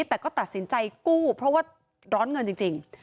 แต่ก็ตัดสินใจกู้เพราะว่าร้อนเงินจริง